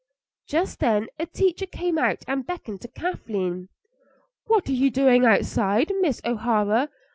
Just then a teacher came out and beckoned to Kathleen. "What are you doing outside, Miss O'Hara?